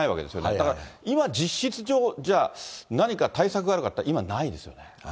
だから今、実質上、じゃあ、何か対策があるかっていったら今ないですよね。